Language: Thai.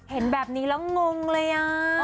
เห็นแบบนี้แล้วงงเลยอ่ะ